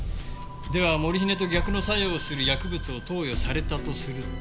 ではモルヒネと逆の作用をする薬物を投与されたとすると。